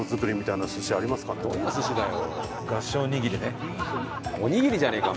どんな寿司だよ。